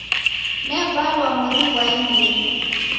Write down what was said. Nevalwa mori ghwa imbiri.